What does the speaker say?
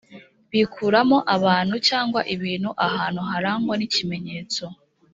bikuramo abantu cyangwa ibintu ahantu harangwa n ikimenyetso